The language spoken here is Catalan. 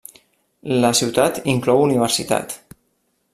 La ciutat inclou universitat.